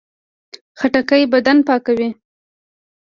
خټکی بدن پاکوي.